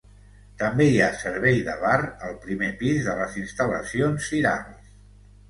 També hi ha servei de bar al primer pis de les instal·lacions firals.